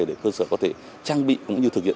để cơ sở có thể trang bị cũng như thực hiện